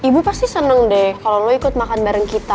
ibu pasti senang deh kalau lo ikut makan bareng kita